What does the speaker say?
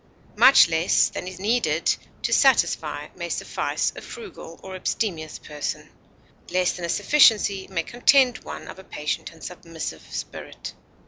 Much less than is needed to satisfy may suffice a frugal or abstemious person; less than a sufficiency may content one of a patient and submissive spirit.